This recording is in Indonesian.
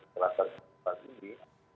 di kampus kampus ini